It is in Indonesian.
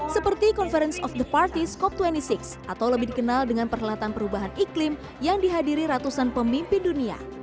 seperti conference of the parties cop dua puluh enam atau lebih dikenal dengan perhelatan perubahan iklim yang dihadiri ratusan pemimpin dunia